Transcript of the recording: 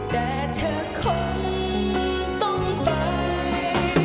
แต่เธอคงต้องไป